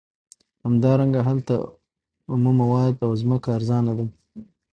همدارنګه هلته اومه مواد او ځمکه ارزانه ده